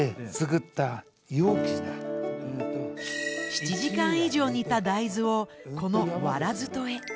７時間以上煮た大豆をこの藁苞へ。